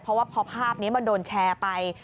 เพราะว่าพอภาพนี้มันโดนแชร์ไป